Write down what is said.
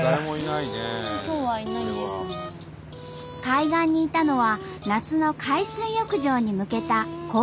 海岸にいたのは夏の海水浴場に向けた工事の人だけ。